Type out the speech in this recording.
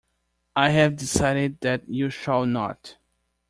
I have decided that you shall not.